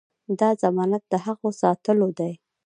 دا ضمانت د هغه ساتلو دی.